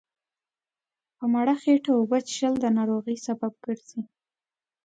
په لمړه هيټه اوبه څښل دا ناروغۍ سبب ګرځي